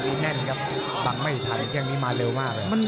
นี่แน่นครับบางไม่ไถงแกงนี้มีมาเร็วมาก